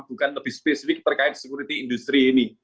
bukan lebih spesifik terkait security industri ini